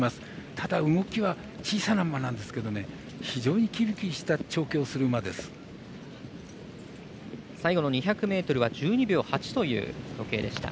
ただ動きは小さな馬なんですけど非常にきびきびした最後の２００ｍは１２秒８という時計でした。